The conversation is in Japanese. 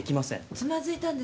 つまずいたんです。